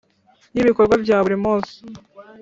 Y ibikorwa bya buri munsi